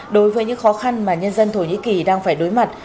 đối với những khó khăn mà nhân dân thổ nhĩ kỳ đang phải đối mặt